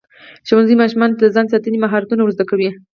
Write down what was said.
ښوونځی ماشومانو ته د ځان ساتنې مهارتونه ورزده کوي.